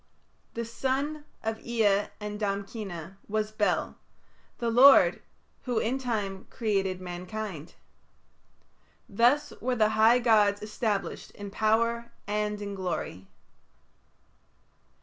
The son of Ea and Damkina was Bel, the lord, who in time created mankind. Thus were the high gods established in power and in glory.